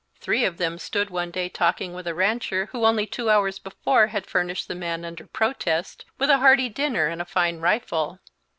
Three of them stood one day talking with a rancher, who only two hours before had furnished the man, under protest, with a hearty dinner and a fine rifle.